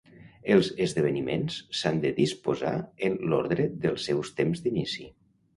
Els esdeveniments s'han de disposar en l'ordre dels seus temps d'inici.